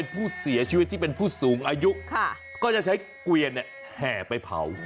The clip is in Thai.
ผู้เสียชีวิตที่เป็นผู้สูงอายุก็จะใช้เกวียนแห่ไปเผา